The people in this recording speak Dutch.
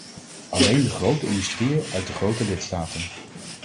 Alleen de grote industrieën uit de grote lidstaten.